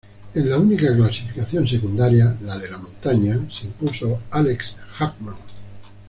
En la única clasificación secundaria, la de la montaña, se impuso Alex Hagman.